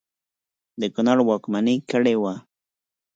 د کنړ واکمني کړې وه.